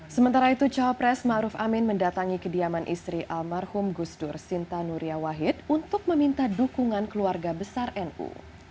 sementara itu cawapres maruf amin mendatangi kediaman istri almarhum gusdur sinta nuria wahid untuk meminta dukungan keluarga besar nu